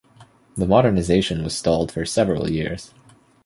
The modernization was stalled for several years.